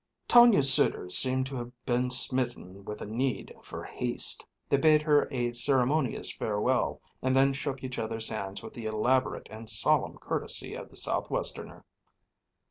Tonia's suitors seemed to have been smitten with a need for haste. They bade her a ceremonious farewell, and then shook each other's hands with the elaborate and solemn courtesy of the Southwesterner.